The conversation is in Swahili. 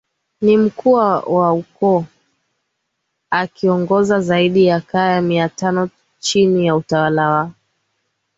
ni Mkuu wa koo akiongoza zaidi ya kaya mia tano chini ya utawala wa